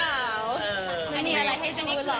แล้วพี่เว๊ยค้าเห็นเพราะว่าไหม